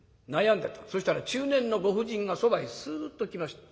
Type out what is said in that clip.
そしたら中年のご婦人がそばへスッと来ました。